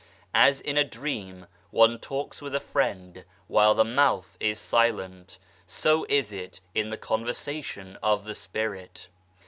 As in a dream one talks with a friend while the mouth is silent, so is it in the conversation of the spirit.